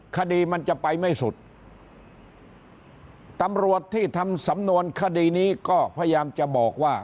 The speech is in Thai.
คดีมันจะไปไม่สุดตำรวจที่ทำสำนวนคดีนี้ก็พยายามจะบอกว่า